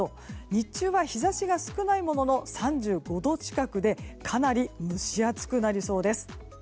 日中は日差しが少ないものの３５度近くでかなり蒸し暑くなりそうです。